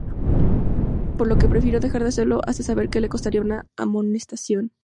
Por lo que prefirió dejar de hacerlo porque sabe que le costaría una amonestación.